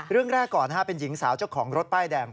เรื่องแรกก่อนเป็นหญิงสาวเจ้าของรถป้ายแดง